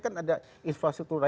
kan ada infrastruktur berubah